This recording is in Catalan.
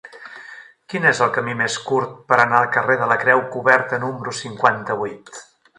Quin és el camí més curt per anar al carrer de la Creu Coberta número cinquanta-vuit?